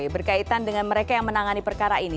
berkaitan dengan mereka yang menangani perkara ini